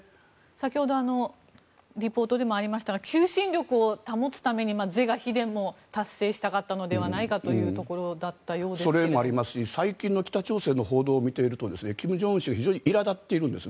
先ほどリポートでもありましたが求心力を保つために是が非でも達成したかったのではないかそれもありますし最近の北朝鮮の報道を見ますと金正恩氏が非常にいら立っているんです。